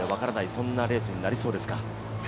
そんなレースになりそうですか？